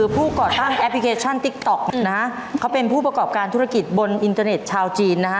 ก่อตั้งแอปพลิเคชันติ๊กต๊อกนะฮะเขาเป็นผู้ประกอบการธุรกิจบนอินเทอร์เน็ตชาวจีนนะฮะ